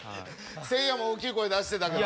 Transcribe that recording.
せいやも大きい声出してたけど。